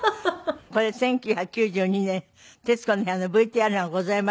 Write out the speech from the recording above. これ１９９２年『徹子の部屋』のＶＴＲがございます。